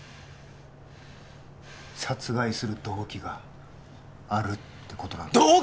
殺害する動機があるってことなんだ